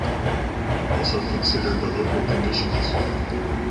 Also consider the local conditions.